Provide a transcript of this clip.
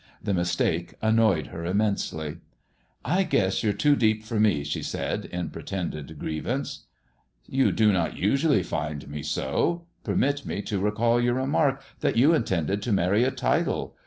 The mistake annoyed her immensely. " I guess you're too deep for me," she said, in pretended grievance. "You do not usually find me so. Permit me to recall your remark that you intended to marry a title.